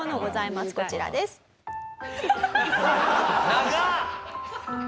長っ！